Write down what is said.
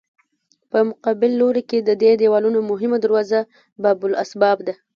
په مقابل لوري کې د دې دیوالونو مهمه دروازه باب الاسباب ده.